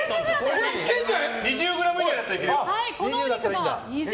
２０ｇ以内だったらいける！